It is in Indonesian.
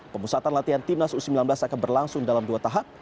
pemusatan latihan timnas u sembilan belas akan berlangsung dalam dua tahap